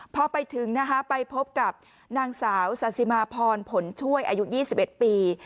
พอไปถึงนะคะไปพบกับนางสาวสาธิมาพรผลช่วยอายุ๒๑ปี